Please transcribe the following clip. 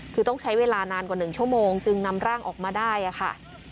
คือต้องใช้เวลานานกว่า๑ชั่วโมงจึงนำร่างออกมาได้ค่ะ